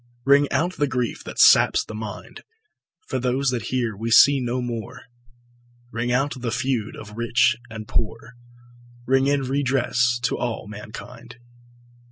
Ring out the grief that saps the mind, For those that here we see no more, Ring out the feud of rich and poor, Ring in redress to all mankind.